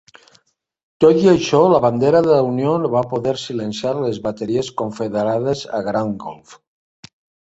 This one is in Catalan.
Tot i això, la bandera de la Unió no va poder silenciar las bateries condeferades a Grand Gulf.